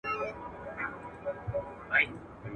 طبابت یې ماته نه وو را ښودلی .